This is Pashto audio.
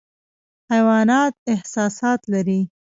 حیوانات احساسات لري